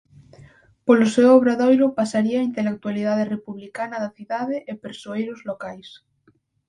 Polo seu obradoiro pasaría a intelectualidade republicana da cidade e persoeiros locais.